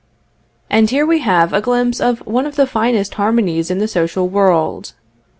And here we have a glimpse of one of the finest harmonies in the social world.